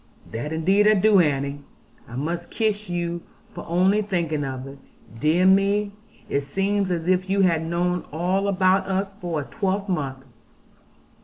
'That indeed I do, Annie. I must kiss you for only thinking of it. Dear me, it seems as if you had known all about us for a twelvemonth.'